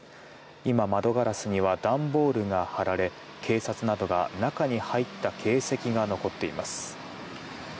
今、窓ガラスには段ボールが貼られ警察などが、中に入った形跡が残っています。